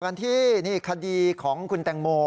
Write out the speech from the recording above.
กันที่นี่คดีของคุณแตงโม